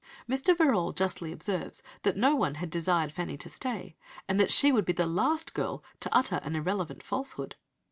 Mr. Verrall justly observes that no one had desired Fanny to stay, and she would be the last girl to utter "an irrelevant falsehood."